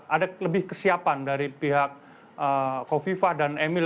ada lebih kesiapan dari pihak kofifa dan emil